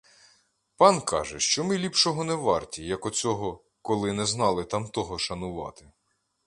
Пан каже, що ми ліпшого не варті, як оцього, коли не знали тамтого шанувати.